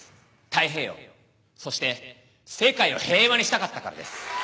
「太平洋そして世界を平和にしたかったからです」